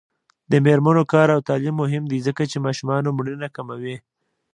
د میرمنو کار او تعلیم مهم دی ځکه چې ماشومانو مړینه کموي.